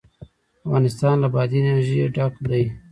افغانستان له بادي انرژي ډک دی.